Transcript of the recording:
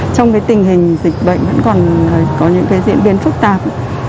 trong tình hình dịch bệnh vẫn còn có những diễn biến phức tạp